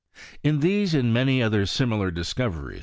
In these, andmany other similar discoveries.